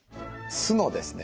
酢のですね